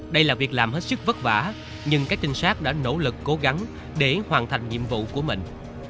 đây là việc làm hết sức vất vả nhưng các trinh sát đã nỗ lực cố gắng để hoàn thành nhiệm vụ của mình